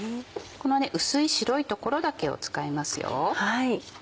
この薄い白い所だけを使いますよ。